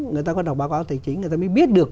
người ta có đọc báo cáo tài chính người ta mới biết được